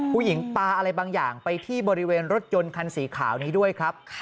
ปลาอะไรบางอย่างไปที่บริเวณรถยนต์คันสีขาวนี้ด้วยครับ